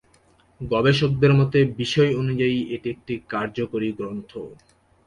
গবেষকদের মতে, বিষয় অনুযায়ী এটি একটি কার্যকরী গ্রন্থ।